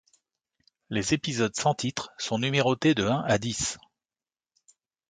Les épisodes, sans titres, sont numérotés de un à dix.